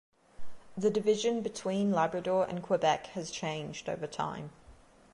The division between Labrador and Quebec has changed over time.